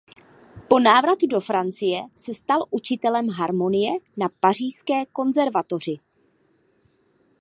Po návratu do Francie se stal učitelem harmonie na pařížské konzervatoři.